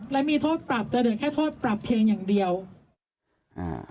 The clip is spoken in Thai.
และมีโทษปรับจะเหลือแค่โทษปรับเพียงอย่างเดียวอ่า